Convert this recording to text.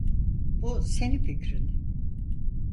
Bu senin fikrin.